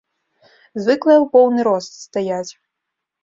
Звыклыя ў поўны рост стаяць.